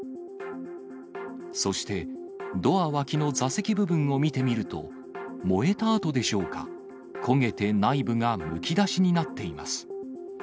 そして、ドア脇の座席部分を見てみると、燃えた跡でしょうか、焦げて内部がむき出しになっています。